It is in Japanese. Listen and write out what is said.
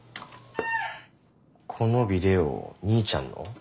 このビデオ兄ちゃんの？